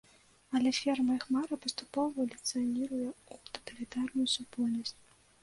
Але ферма іх мары паступова эвалюцыяніруе ў таталітарную супольнасць.